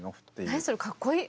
何それかっこいい。